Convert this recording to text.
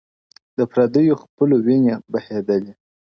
• د پردیو خپلو ویني بهېدلې -